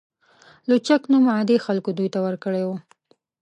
لوچک نوم عادي خلکو دوی ته ورکړی و.